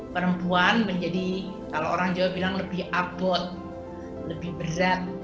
perempuan menjadi kalau orang jawa bilang lebih abot lebih berat